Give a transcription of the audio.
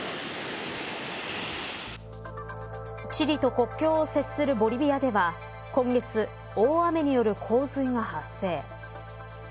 チリと国境を接するボリビアでは今月、大雨による洪水が発生。